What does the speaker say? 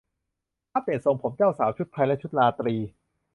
อัปเดตทรงผมเจ้าสาวชุดไทยและชุดราตรี